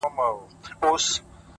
• پښتونخوا له درانه خوبه را پاڅیږي,